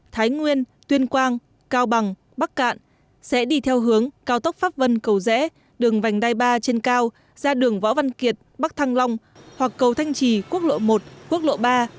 thái nguyên tuyên quang cao bằng bắc cạn sẽ đi theo hướng cao tốc pháp vân cầu rẽ đường vành đai ba trên cao ra đường võ văn kiệt bắc thăng long hoặc cầu thanh trì quốc lộ một quốc lộ ba